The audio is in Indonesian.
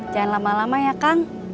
jangan lama lama ya kang